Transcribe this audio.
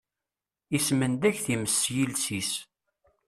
Ismendag times s yiles-is.